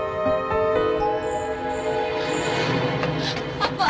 パパ！